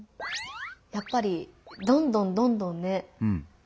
やっぱりどんどんどんどんね